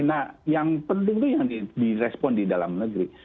nah yang penting itu yang direspon di dalam negeri